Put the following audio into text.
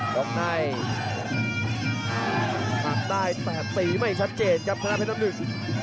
ตามได้๘ปีไม่ชัดเจนครับทางจะแพทย์น้ำหนึ่ง